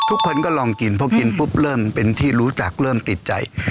ทุกคนก็ลองกินเพราะกินปุ๊บเริ่มเป็นที่รู้จักเริ่มติดใจ